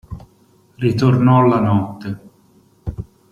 Ritornò la notte.